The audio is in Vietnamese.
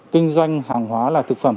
kinh doanh hàng hóa là thực phẩm